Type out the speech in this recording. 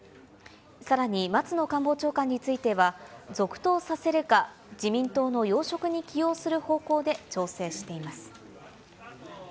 さらに松野官房長官については、続投させるか、自民党の要職に起用する方向で調整しています。